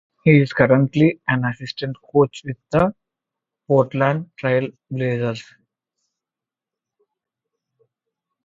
He is currently an assistant coach with the Portland Trail Blazers.